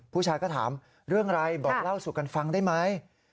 ผู้ชายก็ถามเรื่องอะไรบอกเล่าสู่กันฟังได้ไหม